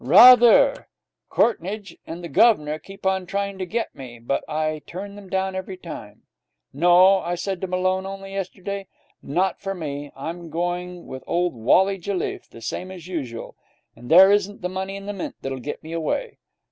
'Rather! Courtneidge and the Guv'nor keep on trying to get me, but I turn them down every time. "No," I said to Malone only yesterday, "not for me! I'm going with old Wally Jelliffe, the same as usual, and there isn't the money in the Mint that'll get me away."